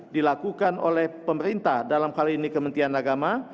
dilakukan oleh pemerintah dalam kali ini kementian agama